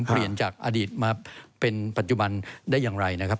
เปลี่ยนจากอดีตมาเป็นปัจจุบันได้อย่างไรนะครับ